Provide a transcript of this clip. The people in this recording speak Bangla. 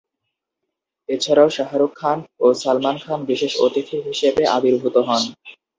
এছাড়াও শাহরুখ খান ও সালমান খান বিশেষ অতিথি হিসেবে আবির্ভূত হন।